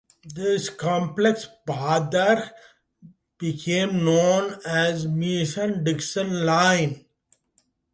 This complex border became known as the Mason-Dixon line.